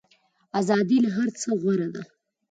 ازادي له هر څه غوره ده.